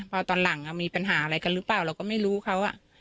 พอตอนหลังมีปัญหาอะไรกันหรือเปล่าเราก็ไม่รู้เขา